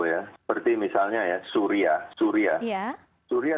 ya seperti misalnya ya suria suria